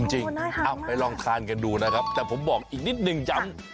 จริงเอาไปลองทานกันดูนะครับแต่ผมบอกอีกนิดนึงย้ำ